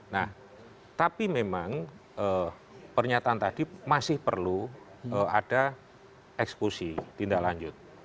nah tapi memang pernyataan tadi masih perlu ada eksekusi tindak lanjut